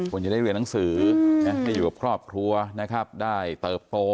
ควรจะได้เรียนหนังสือได้อยู่กับครอบครัวนะครับได้เติบโต